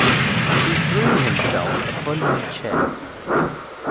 He threw himself upon the chair.